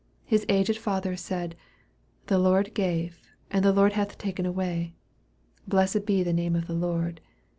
His aged father said, "The Lord gave, and the Lord hath taken away; blessed be the name of the Lord."